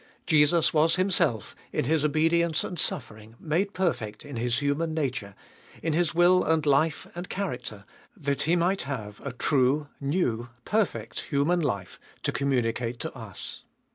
Jesus was Himself, in His obedience and suffering, made perfect in His human nature, in His will and life and character, that He might have a true, new, perfect human life to communicate to us.